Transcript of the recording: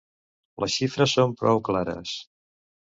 Les xifres són prou clares.